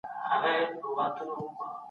موږ نورو نوښتونو ته هڅوي.